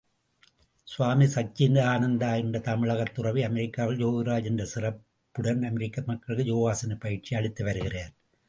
சுவாமி சச்சிதானந்தா என்ற தமிழகத்துத் துறவி, அமெரிக்காவில் யோகிராஜ் என்ற சிறப்புடன் அமெரிக்க மக்களுக்கு யோகாசனப் பயிற்சி அளித்துவருகிறார்.